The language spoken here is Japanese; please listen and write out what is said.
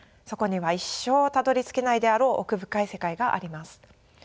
そこには一生たどりつけないであろう奥深い世界があります。